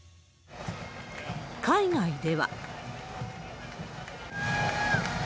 海外では。